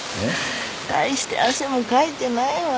大して汗もかいてないわよ。